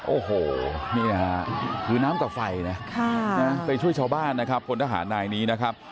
โอ้โหนี่ฮะคือน้ำกับไฟนะไปช่วยชาวบ้านนะครับพลทหารนายนี้นะครับ